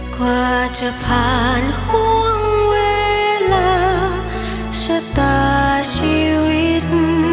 กว่าจะผ่านห่วงเวลาชะตาชีวิต